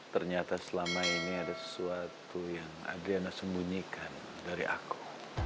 ternyata selama ini ada sesuatu yang adriana sembunyikan dari aku